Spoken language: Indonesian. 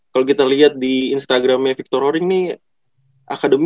kalau kita lihat di instagram nya victor roering nih